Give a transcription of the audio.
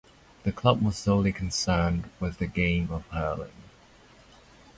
The club was solely concerned with the game of hurling.